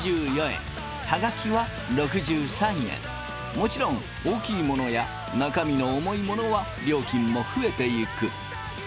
もちろん大きいものや中身の重いものは料金も増えていく。